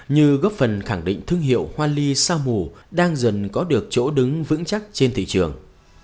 như góp phần khẳng định thương hiệu hoa ly sa mù đang dần có được chỗ đứng vững chắc trên thị trường